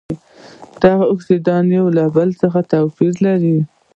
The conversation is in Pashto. دا اکسایدونه یو له بل څخه توپیر لري.